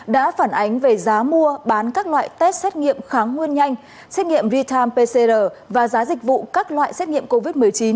đã phản ánh về giá mua bán các loại test xét nghiệm kháng nguyên nhanh xét nghiệm real time pcr và giá dịch vụ các loại xét nghiệm covid một mươi chín